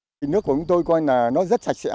thì nước của chúng tôi coi là nó rất sạch sẽ